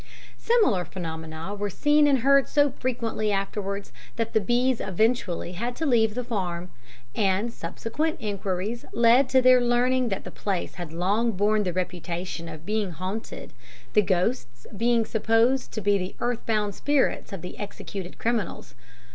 Similar phenomena were seen and heard so frequently afterwards, that the B s eventually had to leave the farm, and subsequent enquiries led to their learning that the place had long borne the reputation of being haunted, the ghosts being supposed to be the earth bound spirits of the executed criminals.